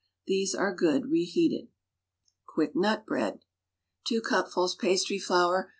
These are good reheated. QUICK NUT BREAD '2 cupfuls pastry flour